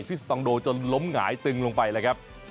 สวิสต์ตองโดจะล้มหงายตึงลงไปนะครับ